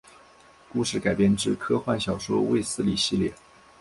故事改编自科幻小说卫斯理系列。